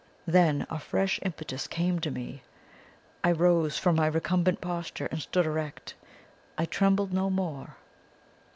Then a fresh impetus came to me. I rose from my recumbent posture and stood erect; I trembled no more.